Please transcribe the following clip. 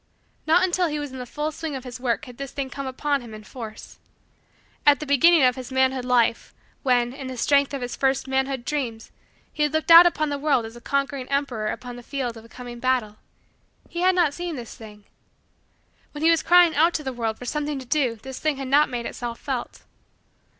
Not until he was in the full swing of his work had this thing come upon him in force. At the beginning of his manhood life, when, in the strength of his first manhood dreams he had looked out upon the world as a conquering emperor upon the field of a coming battle, he had not seen this thing. When he was crying out to the world for something to do this thing had not made itself felt.